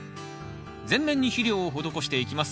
全面に肥料を施していきます。